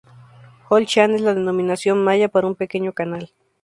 Hol Chan es la denominación maya para un "pequeño canal".